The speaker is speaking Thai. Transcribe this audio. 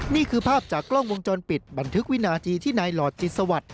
นี่คือภาพจากกล้องวงจรปิดบันทึกวินาทีที่นายหลอดจิตสวัสดิ